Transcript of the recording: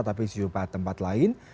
tapi juga di tempat lain